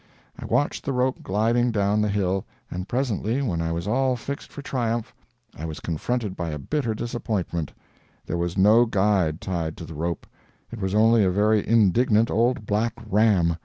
I watched the rope gliding down the hill, and presently when I was all fixed for triumph I was confronted by a bitter disappointment; there was no guide tied to the rope, it was only a very indignant old black ram.